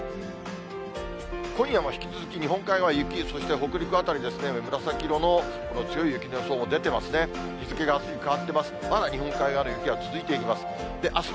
今夜も引き続き、日本海側は雪、そして北陸辺りですね、紫色の強い雪の予想も出てますね。